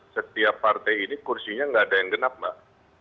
setiap partai ini kursinya nggak ada yang genap mbak